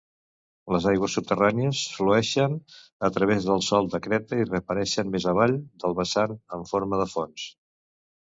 Les aigües subterrànies flueixen a través del sòl de creta i reapareixen més avall del vessant en forma de fonts.